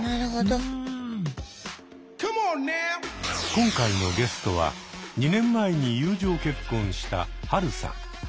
今回のゲストは２年前に友情結婚したハルさん。